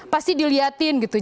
pasti dilihatin gitu